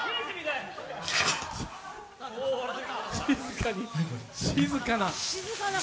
静かに、静かな。